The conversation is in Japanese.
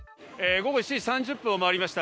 午後７時３０分を回りました。